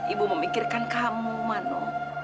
ibu memikirkan kamu mano